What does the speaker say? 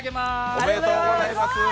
おめでとうございます！